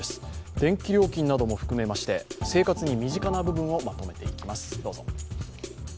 電気料金なども含めまして生活に身近な部分をまとめていきます。